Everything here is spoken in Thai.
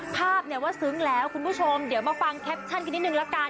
ภาพเนี่ยว่าซึ้งแล้วคุณผู้ชมเดี๋ยวมาฟังแคปชั่นกันนิดนึงละกัน